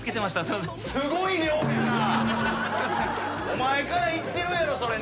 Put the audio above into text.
お前からいってるやろそれ。